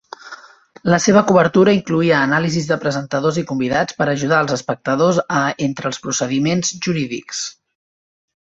La seva cobertura incloïa anàlisis de presentadors i convidats per ajudar els espectadors a entre els procediments jurídics.